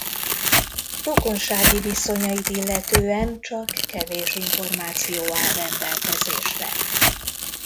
Rokonsági viszonyait illetően csak kevés információ áll rendelkezésre.